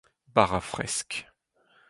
bara fresk